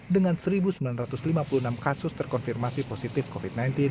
dengan satu sembilan ratus lima puluh enam kasus terkonfirmasi positif covid sembilan belas